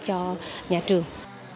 cho nhà trường